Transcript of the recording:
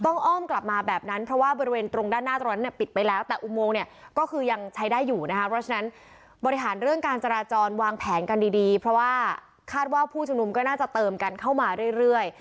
อ้อมกลับมาแบบนั้นเพราะว่าบริเวณตรงด้านหน้าตรงนั้นเนี่ยปิดไปแล้วแต่อุโมงเนี่ยก็คือยังใช้ได้อยู่นะคะเพราะฉะนั้นบริหารเรื่องการจราจรวางแผนกันดีดีเพราะว่าคาดว่าผู้ชุมนุมก็น่าจะเติมกันเข้ามาเรื่อย